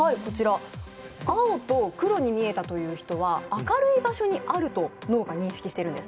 青と黒に見えたという人は明るい場所にあると脳が認識しているんです。